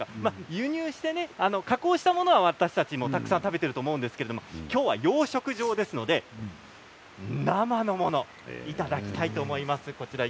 輸入して加工したものは私たち、たくさん食べていると思うんですけれどもきょうは養殖場ですので生のものをいただきたいと思います。